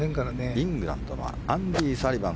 イングランドのアンディー・サリバン。